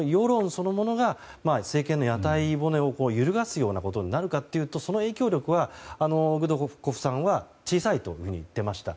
そのものが政権の屋台骨を揺るがすことになるかというとその影響力はグドゥコフさんは小さいと言っていました。